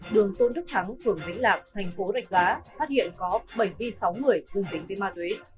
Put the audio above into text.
đường tôn đức thắng phường vĩnh lạc thành phố rạch giá phát hiện có bệnh vi sáu người dùng tính với ma túy